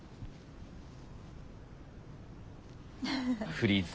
フリーズ。